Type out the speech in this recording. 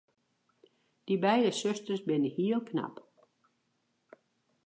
Dy beide susters binne hiel knap.